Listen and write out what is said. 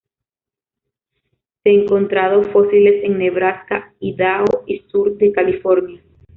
Se encontrado fósiles en Nebraska, Idaho y sur de California.